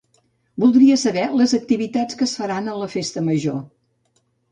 Voldria saber les activitats que es faran a la festa major.